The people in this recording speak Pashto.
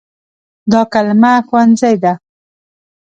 دا کلمه “ښوونځی” ده.